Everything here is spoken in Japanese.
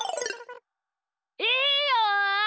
いいよ！